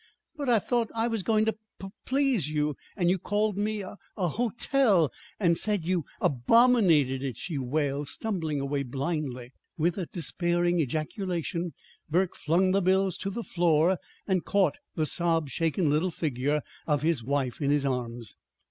"But I thought I was going to p please you, and you called me a h hotel, and said you a abominated it!" she wailed, stumbling away blindly. With a despairing ejaculation Burke flung the bills to the floor, and caught the sob shaken little figure of his wife in his arms.